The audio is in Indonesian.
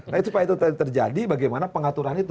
nah supaya itu terjadi bagaimana pengaturan itu